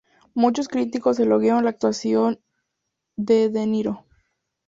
Muchos críticos elogiaron la actuación de De Niro.